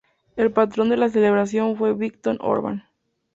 El patrón de la celebración fue Viktor Orbán.